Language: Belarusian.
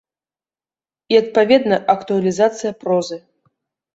І, адпаведна, актуалізацыя прозы.